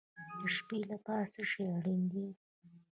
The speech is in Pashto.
د شپې لپاره څه شی اړین دی؟